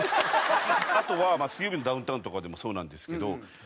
あとは『水曜日のダウンタウン』とかでもそうなんですけど。